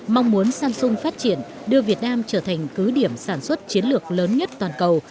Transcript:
mong muốn samsung phát triển đưa việt nam trở thành cứ điểm sản xuất chiến lược lớn nhất toàn cầu